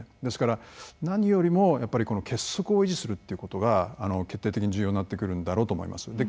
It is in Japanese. ですから何よりも結束を維持するということが決定的に重要になってくるんだろうと思います。